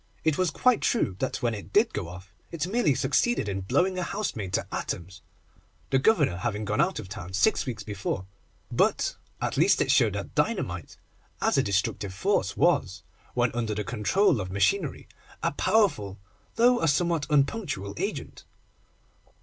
It was quite true that when it did go off, it merely succeeded in blowing a housemaid to atoms, the Governor having gone out of town six weeks before, but at least it showed that dynamite, as a destructive force, was, when under the control of machinery, a powerful, though a somewhat unpunctual agent.